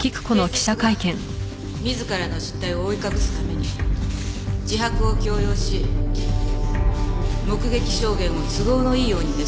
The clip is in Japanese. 警察が自らの失態を覆い隠すために自白を強要し目撃証言を都合のいいようにねじ曲げる。